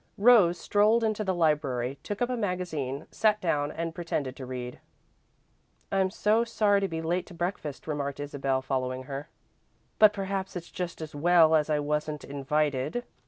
Rose strolled into the library, took up a magazine, sat down, and pretended to read. "I'm so sorry to be late to breakfast," remarked Isabel, following her. "But perhaps it's just as well, as I wasn't invited."